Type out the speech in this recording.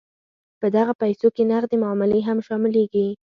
په دغه پیسو کې نغدې معاملې هم شاملیږي.